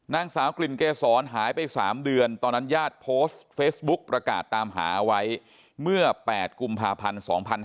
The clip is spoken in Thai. นางสาวกลิ่นเกษรหายไป๓เดือนตอนนั้นญาติโพสต์เฟซบุ๊คประกาศตามหาไว้เมื่อ๘กุมภาพันธ์๒๕๕๙